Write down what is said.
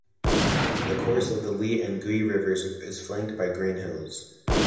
The course of the Li and Gui Rivers is flanked by green hills.